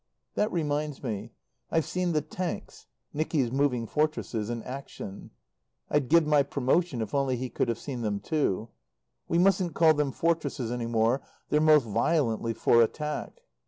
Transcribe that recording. That reminds me. I've seen the "Tanks" (Nicky's Moving Fortresses) in action. I'd give my promotion if only he could have seen them too. We mustn't call them Fortresses any more they're most violently for attack.